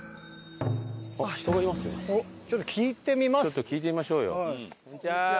ちょっと聞いてみましょうよ。